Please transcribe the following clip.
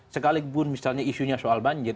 sekalipun misalnya isunya soal banjir